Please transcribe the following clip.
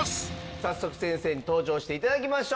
早速先生に登場して頂きましょう。